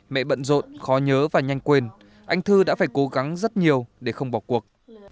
mẹ bận rộn khó nhớ và nhanh quên anh thư đã phải cố gắng rất nhiều để không bỏ cuộc